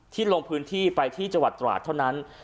ลงพื้นที่ไปที่จังหวัดตราดเท่านั้น